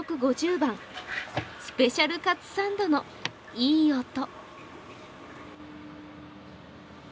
ＢＡＮスペシャルカツサンドのいい音。